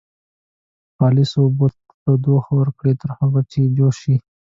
خالصو اوبو ته تودوخه ورکړئ تر هغو چې جوش شي.